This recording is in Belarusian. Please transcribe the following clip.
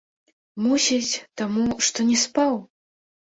Мусіць, таму, што не спаў.